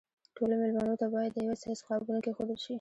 ټولو مېلمنو ته باید د یوه سایز قابونه کېښودل شي.